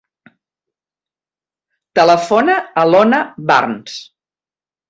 Telefona a l'Iona Barnes.